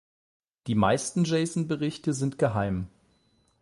Die meisten Jason-Berichte sind geheim.